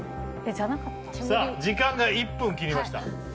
さあ時間が１分切りました